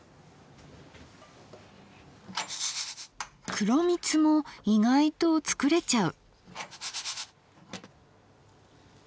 黒みつも意外と作れちゃう。